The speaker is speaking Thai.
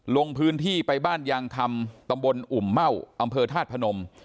ลงพื้นที่ไปบ้านยางคำตำบลอุ่มเม่าอำเภอธาตุพนม